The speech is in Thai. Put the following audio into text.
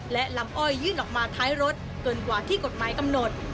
และลำอ้อยยื่นออกมาท้ายรถเกินกว่าที่กฎหมายกำหนด